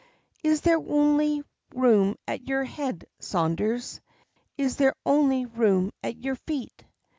"Is there ony room at your head, Saunders? Is there ony room at your feet?